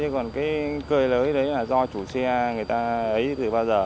còn cái cười lỡi đấy là do chủ xe người ta ấy từ bao giờ